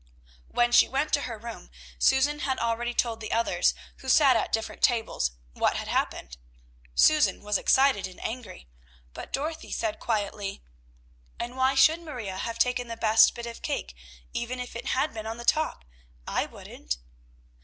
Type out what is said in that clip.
When she went to her room, Susan had already told the others, who sat at different tables, what had happened. Susan was excited and angry, but Dorothy said quietly, "And why should Maria have taken the best bit of cake, even if it had been on the top? I wouldn't."